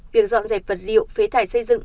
việc dọn dẹp vật liệu phế thải xây dựng